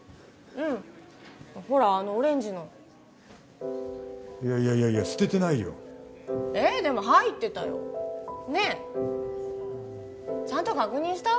うんほらあのオレンジのいやいや捨ててないよえっでも入ってたよねえちゃんと確認した？